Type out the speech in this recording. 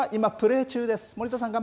今、プレー中です。